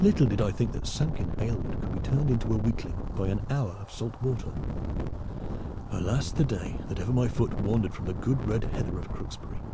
Little did I think that Samkin Aylward could be turned into a weakling by an hour of salt water. Alas the day that ever my foot wandered from the good red heather of Crooksbury!"